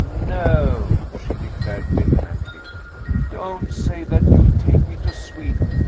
"No," she declared vehemently, "don't say that you'll take me to Sweden.